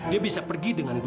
dia bisa pergi dengan dua